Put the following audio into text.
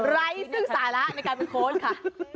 ไร้สาระในการเป็นโค้ชค่ะ